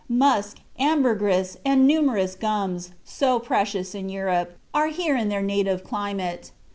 Musk, ambergris, and numerous gums, so precious in Europe, are here in their native climate.